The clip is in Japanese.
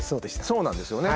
そうなんですよね。